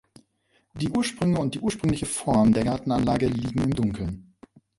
Die Ursprünge und die ursprüngliche Form der Gartenanlage liegen im Dunkeln.